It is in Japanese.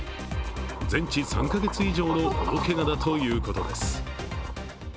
全治３カ月以上の大けがだということです。